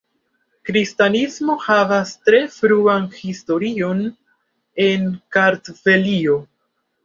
Kristanismo havas tre fruan historion en Kartvelio.